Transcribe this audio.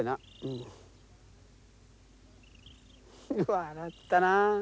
笑ったな。